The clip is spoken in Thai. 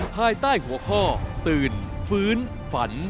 ภายใต้หัวข้อตื่นฟื้นฝัน